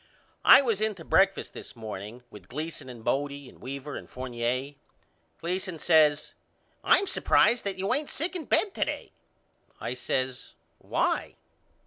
I was in to breakfast this morning with Gleason and Bodie and Weaver and Fournier. Gleason says I'm surprised that you ain't sick in bed to day. I says Why?